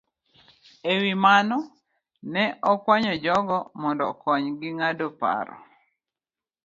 E wi mano, ne okwayo jodongo mondo okonygi ng'ado paro